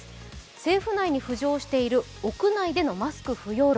政府内に浮上している、屋内でのマスク不要論。